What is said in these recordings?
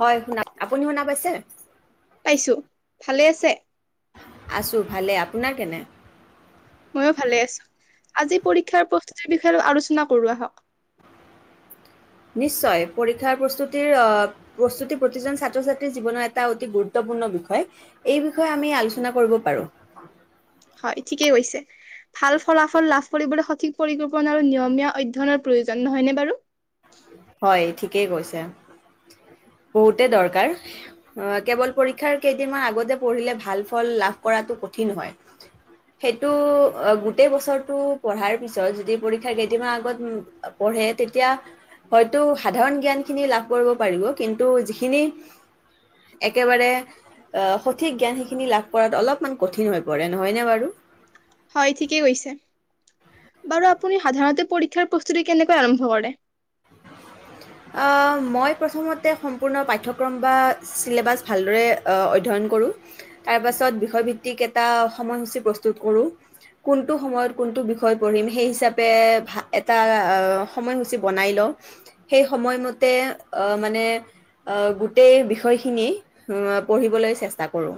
হয় শুনা আপুনি শুনা পাইছে পাইছো ভালে আছে আছোঁ ভালে আপোনাৰ কেনে ময়ো ভালে আছো আজি পৰীক্ষাৰ প্ৰস্তুতি বিষয়ে আলোচনা কৰো আহক নিশ্চয় পৰীক্ষাৰ প্ৰস্তুতিৰ প্ৰস্তুতি প্ৰতি ছাত্ৰ ছাত্ৰীৰ জীৱনৰ এটা অতি গুৰুত্বপূৰ্ণ বিষয় এই বিষয়ে আমি আলোচনা কৰিব পাৰো হয় ঠিকেই কৈছে ভাল ফলাফল লাভ কৰিবলৈ সঠিক পৰিকল্পনা আৰু নিয়মীয়া অধ্যয়নৰ প্ৰয়োজন নহয়নে বাৰু? হয় ঠিকেই কৈছে বহুতে দৰকাৰ কেৱল পৰীক্ষাৰ কেইদিনমান আগতে পঢ়িলে ভাল ফল লাভ কৰাটো কঠিন হয় সেইটো গোটেই বছৰটো পঢ়াৰ পিছত যদি পৰীক্ষাৰ কেইদিনমান আগত পঢ়ে তেতিয়া। হয়তো সাধাৰণ জ্ঞানখিনি লাভ কৰিব পাৰিব কিন্তু যিখিনি একেবাৰে সঠিক জ্ঞান সেইখিনি লাভ কৰাত অলপমান কঠিন হৈ পৰে নহয়নে বাৰু। হয় ঠিকেই কৈছে বাৰু আপুনি সাধাৰতে পৰীক্ষাৰ প্ৰস্তুতি কেনেকৈ আৰম্ভ কৰে। মই প্ৰথমতে সম্পূৰ্ণ পাঠ্যক্ৰম বা চিলেবাছ ভালদৰে অধ্যয়ন কৰোঁ তাৰ পাছত বিষয় ভিত্তিক এটা সময়সূচী প্ৰস্তুত কৰোঁ কোনটো সময়ত কোনটো বিষয় পঢ়িম সেই হিচাপে এটা সময়সূচী বনাই লওঁ। সেই সময়মতে মানে গোটেই বিষয়খিনি পঢ়িবলৈ চেষ্টা কৰো।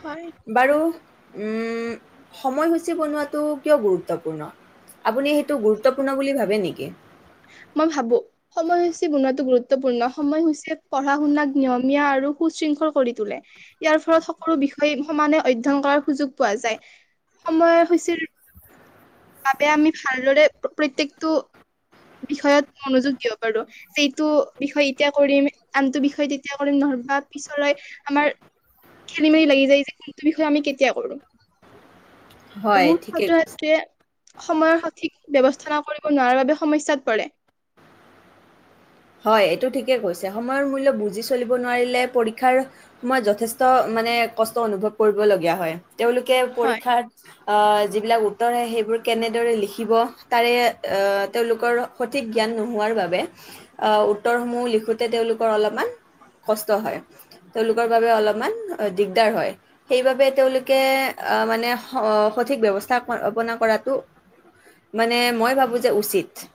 হয় বাৰু উম সময়সূচী বনোৱাটো কিয় গুৰুত্বপূৰ্ণ আপুনি সেইটো গুৰুত্বপূৰ্ণ বুলিা ভাৱে নেকি? কি মই ভাবো, সময়সূচী বনোৱাটো গুৰুত্বপূৰ্ণ, সময় সূচীয়ে পঢ়া শুনাক নিয়মীয়া আৰু সুশৃংখল কৰি তোলে, ইয়াৰ ফলত সকলো বিষয় সমানে অধ্যয়ন কৰাৰ সুযোগ পোৱা যায় সময়সূচীৰ বাবে আমি ভালদৰে প্ৰত্যেকটো বিষয়ত মনোযোগ দিব পাৰো, যে এইটো বিষয় এতিয়া কৰিম আনটো বিষয় তেতিয়া কৰিম, নহয় বা পিছৰে আমাৰ খেলি মেলি লাগি যায় যে কোনটো বিষয়ে আমি কেতিয়া কৰো হয়, মোৰ ঠিকেই সতে একে সময়ৰ সঠিক ব্যৱস্থা নকৰিব বা নোৱাৰাৰ বাবে সমস্যাত পৰে হয় এইটো ঠিকে কৈছে সময়ৰ মূল্য বুজি চলিব নোৱাৰিলে পৰীক্ষাৰ সময়ত যথেষ্ট মানে কষ্ট অনুভৱ কৰিবলগীয়া হয় তেওঁলোকে হয় পৰীক্ষাত আহ যিবিলাক উত্তৰ আহে সেইবোৰ কেনেদৰে লিখিব তাৰে তেওঁলোকৰ সঠিক জ্ঞান নোহোৱাৰ বাবে আহ উত্তৰসমূহ লিখোতে তেওঁলোকৰ অলপমান কষ্ট হয়, তেওঁলোকৰ বাবে অলপমান দিগদাৰ হয়, সেইবাবে তেওঁলোকে আহ মানে সঠিক ব্যৱস্থা কৰাটো মানে মই ভাবো যে উচিত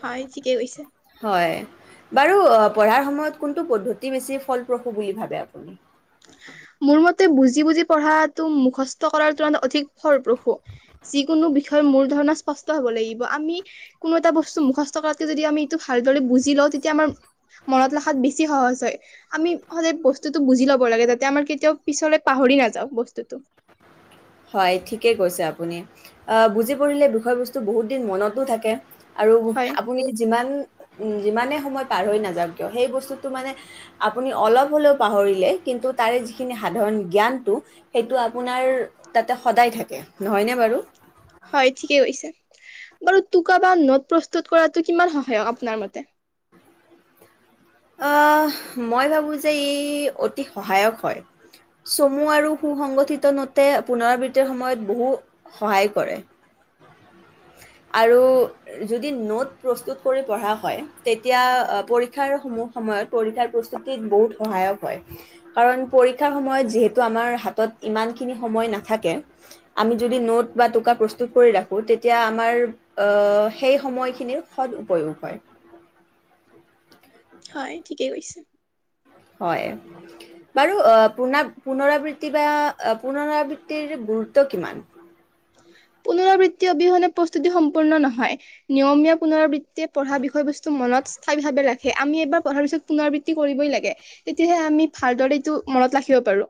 হয় ঠিকে কৈছে হয়, বাৰু পঢ়াৰ সময়ত কোনটো পদ্ধতি বেছি ফলপ্ৰসূ বুলি ভাবে আপুনি মোৰ মতে বুজি বুজি পঢ়াটো মুখস্থ কৰাৰ তুলনাত অধিক ফলপ্ৰসূ, যিকোনো বিষয় মোৰ ধৰণ স্পষ্ট হব লাগিব, আমি কোনো এটা বস্তু মুখস্থ কৰাতকে যদি আমি এইটো ভালদৰে বুজি লওঁ তেতিয়া আমাৰ মনত ৰখাত বেছি সহজ হয় আমি সদায় বস্তুতটো বুজি লব লাগে যাতে আমাৰ কেতিয়াও পিছলৈ পাহৰি নাযাওঁ বস্তুটো হয় ঠিকেই কৈছে আপুনি, আ বুজি পৰিলে বিষয়বস্তু বহুত দিন মনতো থাকে আৰু হয়, আপুনি যিমান যিমানে সময় পাৰ হৈ নাযাওক কিয় সেই বস্তুটো মানে আপুনি অলপ হ'লেও পাহৰিলে কিন্তু তাৰে যিখিনি সাধাৰণ জ্ঞানটো সেইটো আপোনাৰ তাতে সদায় থাকে নহয়নে বাৰু? হয় ঠিকেই কৈছে বাৰু টোকা বা নোট প্ৰস্তুত কৰাটো কিমান সহায়ক আপোনাৰ মতে আহ মই ভাবো যে ই অতি সহায়ক হয়, চমু আৰু সু সংগঠিত নোটে পুনৰাবৃত্তিৰ সময়ত বহু সহায় কৰে, আৰু যদি নোট প্ৰস্তুত কৰি পঢ়া হয় তেতিয়া পৰীক্ষাৰ বহু সময়ত পৰীক্ষাৰ প্ৰস্তুতিৰ বহুত সহায়ক হয়, কাৰণ পৰীক্ষাৰ সময়ত যিহেতু আমাৰ হাতত ইমানখিনি সময় নাথাকে, আমি যদি নোট বা টোকা প্ৰস্তুত কৰি ৰাখো তেতিয়া আমাৰ আহ সেই সময়খিনিৰ সদ উপয়োগ হয় হয় ঠিকেই কৈছে হয় বাৰু আহ পুন পুনৰাবৃত্তি বা পুনৰাবৃত্তিৰ গুৰুত্ব কিমান। পুনৰাবৃত্তি অবিহনে প্ৰস্তুতি সম্পূৰ্ণ নহয়, নিয়মীয়া পুনৰাবৃত্তিয়ে পঢ়া বিষয়বস্তু মনত স্থায়ীভাৱে ৰাখে, আমি এইবাৰ পঢ়াৰ পিছত পুনৰাবৃত্তি কৰিবই লাগে, তেতিয়াহে আমি ভালদৰে এইটো মনত ৰাখিব পাৰো।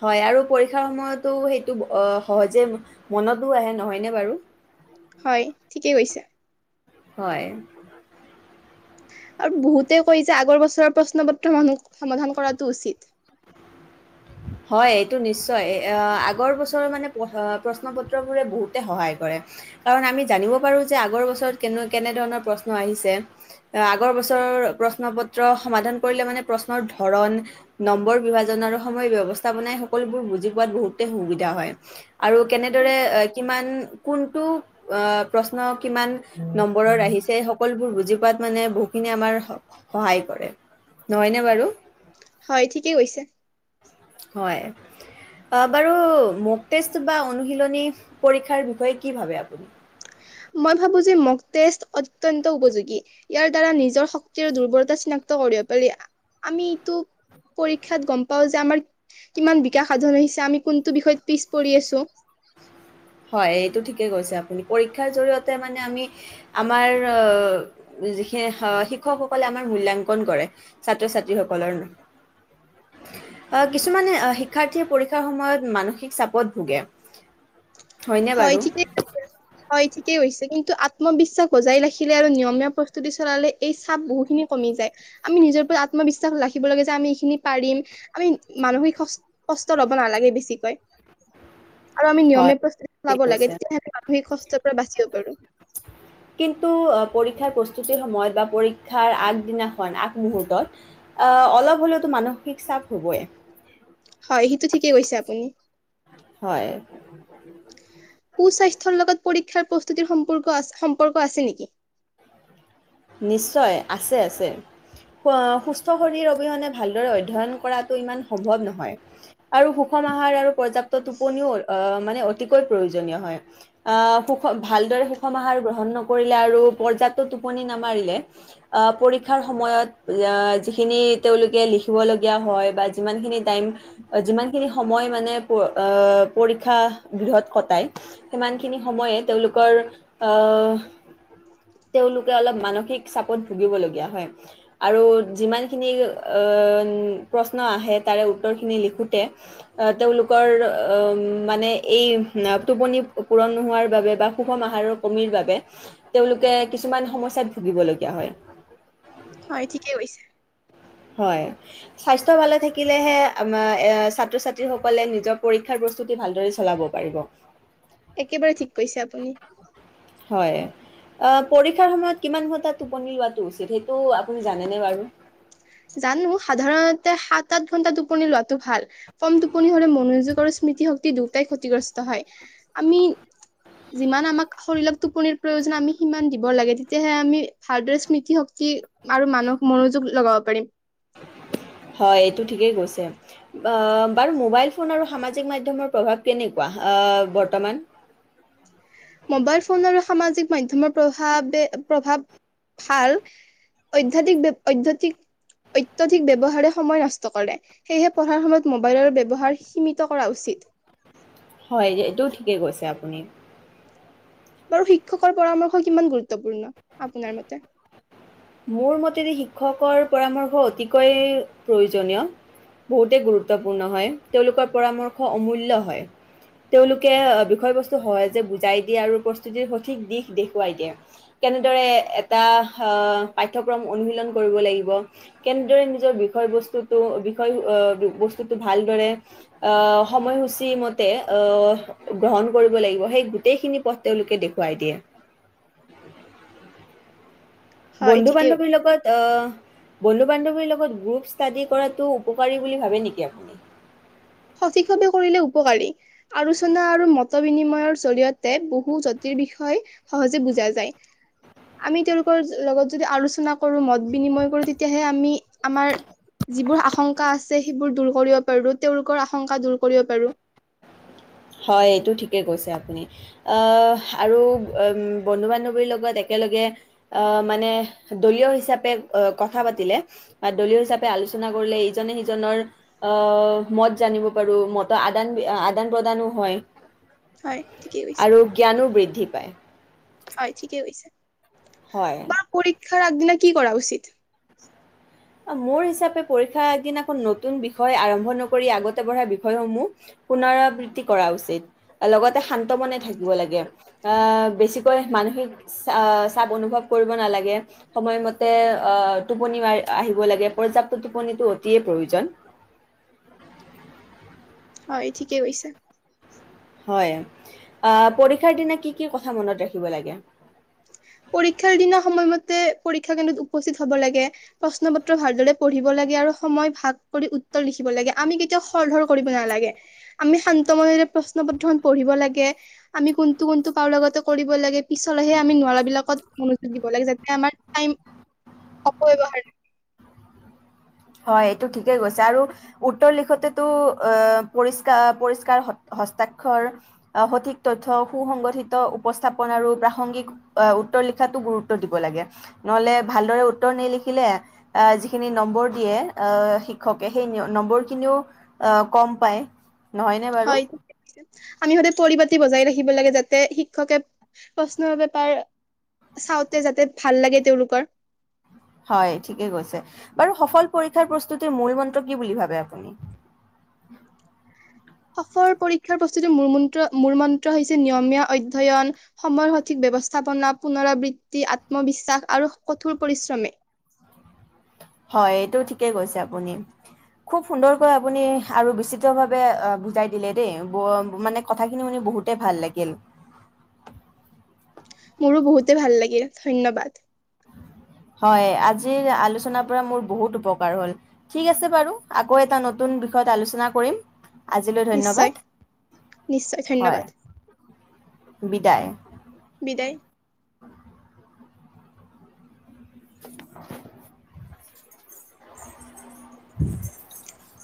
হয় আৰু পৰীক্ষাৰ সময়তো সেইটো সহজে মনতো আহে নহয়নে বাৰু হয় ঠিকেই কৈছে। হয় আৰু বহুতে কয় যে আগৰ বছৰৰ প্ৰশ্নপত্ৰ সমূহ সমাধান কৰাটো উচিত হয় এইটো নিশ্চয় আহ আগৰ বছৰৰ মানে প্ৰশ্ন পত্ৰ বোৰে বহুতে সহায় কৰে, কাৰণ আমি জানিব পাৰো যে আগৰ বছৰত কেনে কেনেধৰণৰ প্ৰশ্ন আহিছে আগৰ বছৰৰ প্ৰশ্ন পত্ৰ সমাধান কৰিলে মানে প্ৰশ্নৰ ধৰণ নম্বৰ বিভাজন আৰু সময় ব্যৱস্থা বনাই সকলোবোৰ বুজি পোৱাত বহুতে সুবিধা হয়, আৰু কেনেদৰে কিমান কোনটো আহ প্ৰশ্ন কিমান নম্বৰৰ আহিছে সকলোবোৰ বুজি পোৱাত মানে বহুতখিনিয়ি আমাৰ সহায় কৰে, নহয়নে বাৰু? হয় ঠিকেই কৈছে হয় বাৰু মগ টেষ্ট বা অনুশীলনী পৰীক্ষাৰ বিষয়ে কি ভাবে আপুনি মই ভাবো যে মগ টেজ অত্যয়ন্ত উপযোগী, ইয়াৰ দ্বাৰা নিজৰ শক্তিৰ দুৰ্বলতা চিনাক্ত কৰিব পাৰি, আমি এইটো পৰীক্ষাত গম পাও যে আমাৰ কিমান বিকাশ সাধন হৈছে আমি কোনটো বিষয়ত পিছ পৰি আছো হয় এইটো ঠিকে কৈছে আপুনি, পৰীক্ষাৰ জৰিয়তে মানে আমি আমাৰ যিখিনি শিক্ষকসকলে আমাৰ মূল্যাংকন কৰে ছাত্ৰ ছাত্ৰী সকলৰ, কিছুমানে শিক্ষাৰ্থীয়ে পৰীক্ষাৰ সময়ত মানসিক চাপত ভোগে হয়নে হয় বাৰু ঠিকে হয় ঠিক হৈছে কিন্তু আত্মবিশ্বাস বজাই ৰাখিলে আৰু নিয়মীয়া প্ৰস্তুতি চলালে এই চাপ বহুখিনি কমি যায়, আমি নিজৰও আত্মবিশ্বাস ৰাখিব লাগে যে আমি এইখিনি পাৰিম আমি মানসিক কষ্ট লব নালাগে বেছিকৈ আৰু আমি হয় নিয়মীয়া ঠিক প্ৰস্তুতি ল কৈছে তেতিয়া হে মানসিক কষ্টৰ পৰা বাচিব পাৰো কিন্তু আহ, পৰীক্ষাৰ প্ৰস্তুতিৰ সময়ত বা পৰীক্ষাৰ আগদিনাখন আগমুহূুৰ্তত অলপ হ'লেওতো মানসিক চাপ হ'বই। হয় সেইটো ঠিকেই কৈছে আপুনি। হয় কুস্বাস্থ্যৰ লগত পৰীক্ষাৰ প্ৰস্তুতিৰ সম্পৰ্ক আছে সম্পৰ্ক আছে নেকি। নিশ্চয় আছে আছে সুস্থ শৰীৰ অবিহনে ভালদৰে অধ্যয়ন কৰাটো ইমান সম্ভৱ নহয় আৰু সুষম আহাৰ আৰু পৰ্যাপ্ত টোপনিও মানে অতিকৈ প্ৰয়োজনীয় হয় ভালদৰে সুষম আহাৰ গ্ৰহণ নকৰিলে আৰু পৰ্যাপ্ত টোপনি নাহে। পাৰিলে আ পৰীক্ষা সময়ত যে যিখিনি তেওঁলোকে লিখিব লগীয়া হয় বা যিমান খিনি টাইম যিমান খিনি সময় মানে অহ পৰীক্ষা দিঘট কটাই সিমান খিনি সময় তেওঁলোকৰ অঁ তেওঁলোকে অলপ ত মানসিক চাপত ভুগিব লগা হয় আৰু যিমানখিনি প্ৰশ্ন আহে তাৰে উত্তৰ খিনি লিখোতে তেওঁলোকৰ মানে এই টোপনি পোৰণ নোৱাৰ বাবে বা সুষম আহাৰ কম বাবে তেওঁলোকে কিছুমান সমস্যাত । ভুগিবলগীয়া হয়। হয় ঠিকেই কৈছে। হয় স্বাস্থ্য ভালে থাকিলেহে আম ছাত্ৰ ছাত্ৰীসকলে নিজৰ পৰীক্ষাৰ প্ৰস্তুতি ভালদৰে চলাব পাৰিব। একেবাৰে ঠিক কৈছে আপুনি। হয় পৰীক্ষাৰ সময়ত কিমান টোপনি লোৱাটো উচিত সেইটো আপুনি জানেনে বাৰু। জানো সাধাৰণতে সাত আঠ ঘন্টা টোপনি লোৱাাতটো ভাল কম টোপনি হলে মনোযোগ আৰু স্মৃতি শক্তি দুটাই ক্ষতিগ্ৰস্ত হয় আমি যিমান আমাক শৰীৰক টোপনিৰ প্ৰয়োজন আমি সিমান দিব লাগে তেতিয়াহে আমি ভালদৰে স্মৃতিশক্তি। আৰু মানুহক মনোযোগ লগও। পাৰিম। হয় এইটো ঠিকেই গৈছে। আ বাৰু মোবাইল। ফোনৰ আৰু সামজিক মাধ্যমৰ প্ৰভাৱ কেনেকুৱা বৰ্তমান। মোবাইল ফোন আৰু সামাজিক মাধ্যমৰ প্ৰভাৱ প্ৰভাৱ ভাল অত্যাধিক অত্যাধিক অত্যাধিক ব্যৱহাৰে সময় নষ্ট কৰে সেয়েহে পঢ়াৰ সময়ত মোবাইলৰ ব্যৱহাৰ সীমিত কৰা উচিত। হয় এইটোও ঠিকেই কৈছে আপুনি। বাৰু শিক্ষকৰ পৰামৰ্শ কিমান গুৰুত্বপূৰ্ণ আপোনাৰ মতে। মোৰ মতেদি শিক্ষকৰ পৰামৰ্শ অতিকৈ প্ৰয়োজনীয় বহুতেই গুৰুত্বপূৰ্ণ হয় তেওঁলোকৰ পৰামৰ্শ অমূল্য হয় তেওঁলোকে বিষয়বস্তু সহজে বুজাই দিয়ে আৰু প্ৰস্তুতিৰ সঠিক দিশ দেখুৱাই দিয়ে কেনেদৰে এটা। পাঠ্যক্ৰম অনুশীলন কৰিব লাগিব কেনেদৰে নিজৰ বিষয় বস্তুটো বিষয় বস্তুটো ভালদৰে সময়সূচী মতে গ্ৰহণ কৰিব লাগিব সেই গোটেইখিনি পথ তেওঁলোকে দেখোৱাই দিয়ে। হয় বন্ধু ঠিকেই বান্ধৱীৰ লগত অ বন্ধু বান্ধৱীৰ লগত গ্ৰুপ ষ্টাডি কৰাটো উপকাৰী বুলি ভাবে নেকি আপুনি সঠিকভাৱে কৰিলে উপকাৰী আলোচনা আৰু মত বিনিময়ৰ জৰিয়তে বহু জটিল বিষয়ে সহজে বুজা যায় আমি তেওঁলোকৰ লগত যদি আলোচনা কৰো মত বিনিময় কৰো তেতিয়াহে আমি আমাৰ যিবোৰ আশংকা আছে সেইবোৰ দূৰ কৰিব পাৰো তেওঁলোক। আশংকা দূৰ কৰিব পাৰোঁ। হয় এইটো ঠিকে কৈছে আপুনি আহ আৰু উ বন্ধু বান্ধৱীৰ লগত একেলগে আহ মানে দলীয় হিচাপে কথা পাতিলে বা দলীয় হিচাপে আলোচনা কৰিলে ইজনে সিজনৰ আহ মত জানিব পাৰো মতৰ আদান আদান প্ৰদান । হয় হয় ঠিকেই কৈছে আৰু জ্ঞানো বৃদ্ধি। পায় হয় ঠিকেই কৈছে। হয়। বা কৰি শিক্ষাৰ আগদিনা কি কৰা উচিত । মোৰ হিচাপে পৰীক্ষা আগদিনাখন নতুন বিষয় আৰম্ভ নকৰি আগতে পঢ়া বিষয়সমূহ পুনৰাবৃত্তি কৰা উচিত লগতে শান্ত মনে থাকিব লাগে আহ বেছিকৈ মানসিক চ চাপ অনুভৱ কৰিব নালাগে সময়মতে আহ টোপনি মাৰ। আহিব লাগে পৰ্যাপ্ত টোপনিটো অতিয়ে প্ৰয়োজন। হয় ঠিকেই কৈছে । হয় আহ পৰীক্ষাৰ দিনা কি কি কথা মনত ৰাখিব লাগে। পৰীক্ষাৰ দিনা সময়মতে পৰীক্ষা কেন্দ্ৰত উপস্থিত হব লাগে প্ৰশ্ন পত্ৰ ভালদৰে পঢ়িব লাগে আৰু সময় ভাগ কৰি উত্তৰ লিখিব লাগে আমি কেতিয়াও খৰ ধৰ কৰিব নালাগে আমি শান্ত মনেৰে প্ৰশ্ন পত্ৰখন পঢ়িব লাগে আমি কোনটো কোনটো পাৰো লগতে কৰিব লাগে । পিছলৈহে আমি নোৱাৰা মনোযোগ দিব লাগে যাতে আমাৰ টাইম হতব্যবহাৰ কৰিব লাগে। হয় এইটো ঠিকেই গৈছে আৰু উত্তৰ লিখোতেতো পৰিষ্ পৰিষ্কাৰ হস্তাক্ষৰ সঠিক তথ্য সুসংগঠিত উপস্থাপন আৰু প্ৰাসংগিক উত্তৰ লিখাতো গুৰুত্ব দিব লাগে নহলে ভালদৰে উত্তৰ নিলিখিলে আহ যিখিনি নম্বৰ দিয়ে আহ শিক্ষকে সেই নম্বৰ খিনিও আহ কম পায় । হয় ক আমি সদায় পৰিপাতি বজাই ৰাখি থাকিব যাতে শিক্ষকে প্ৰশ্ন পেপাৰ চাওতে যাতে ভাল লগে তেওঁলোকৰ হয় ঠিকে কৈছে বাৰু সফল পৰীক্ষাৰ প্ৰস্তুতিৰ মূল মন্ত কি বুলি ভাৱে আপুনি । সফৰ পৰীক্ষাৰ প্ৰস্তুতিৰ ম মন্ত্ৰ মূল মন্ত্ৰ হৈছে নিয়মীয়া অধ্যয়ন সময়ৰ সঠিক ব্যৱস্থাপনা পুনৰাবৃত্তি আত্মবিশ্বাস আৰু কঠোৰ পৰিশ্ৰমে । হয় এইটো ঠিকেই কৈছে আপুনি খুব সুন্দৰকৈ আপুনি আৰু বিস্তিত ভাৱে বুজাই দিলে দেই মানে কথাখিনি মনি বহুতে ভাল লাগিল । মোৰো বহুতে ভাল লাগিল ধন্যবাদ । হয় আজিৰ আলোচনাৰ পৰা মোৰ বহুত উপকাৰ হল ঠিক আছে বাৰু আকৌ এটা নতুন বিষয়ত আলোচনা কৰিম । আজিলৈ নিশ্চয় ধন্যবাদ নিশ্চয় হয় ধন্যবাদ বিদায় বিদায় । [inaudible] উ